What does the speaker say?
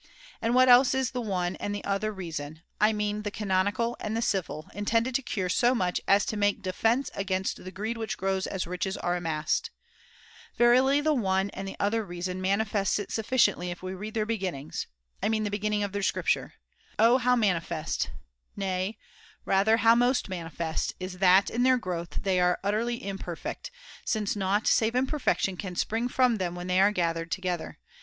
And what else is the one and the other Reason, I mean the canonical and the civil, intended to cure so much as to make defence against the greed which grows as riches are amassed ? Verily the one [1003 and the other Reason manifests it sufficiently if we read their beginnings — I mean 288 THE CONVIVIO Ch. Love of the beginnings of their scripture. Oh how mani all good fest, nay, rather how most manifest, is it that in their growth they are utterly imperfect, since nought save imperfection can spring from them when they are gathered []i lo] together